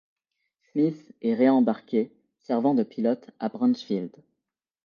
Smith est réembarqué, servant de pilote à Bransfield.